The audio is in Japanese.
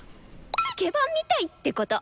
スケバンみたいってこと！